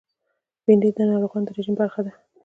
بېنډۍ د ناروغانو د رژیم برخه ده